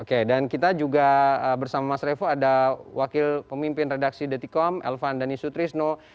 oke dan kita juga bersama mas revo ada wakil pemimpin redaksi detikom elvan dhani sutrisno